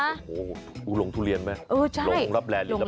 โหวลงทุเรียนป่ะลงรับแรดหรือรับแรง